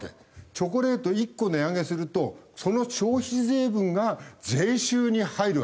チョコレート１個値上げするとその消費税分が税収に入るわけで。